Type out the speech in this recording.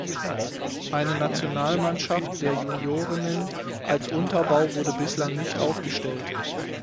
Eine Nationalmannschaft der Juniorinnen als Unterbau wurde bislang nicht aufgestellt.